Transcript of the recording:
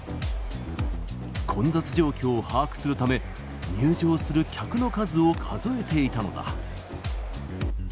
混雑状況を把握するため、入場する客の数を数えていたのだ。